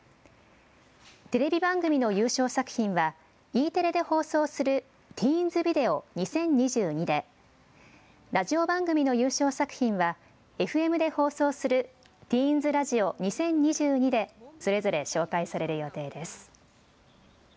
テレビ番組の優勝作品はＥテレで放送するティーンズビデオ２０２２で、ラジオ番組の優勝作品はＦＭで放送するティーンズラジオ２０２２でそれぞれ紹介される予定です。